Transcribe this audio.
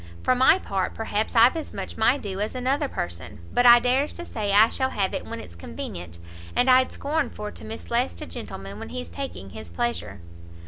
For my part, perhaps I've as much my due as another person, but I dares to say I shall have it when it's convenient, and I'd scorn for to mislest a gentleman when he's taking his pleasure."